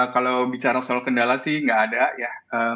kalau bicara soal kendala sih nggak ada ya